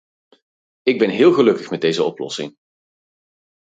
Ik ben heel gelukkig met deze oplossing.